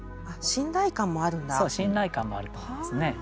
そう信頼感もあると思うんですね。